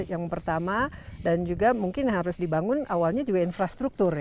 yang pertama dan juga mungkin harus dibangun awalnya juga infrastruktur ya